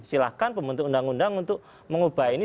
silahkan pembentuk undang undang untuk mengubah ini